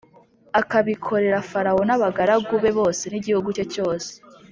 akabikorera Farawo n’abagaragu be bose n’igihugu cye cyose,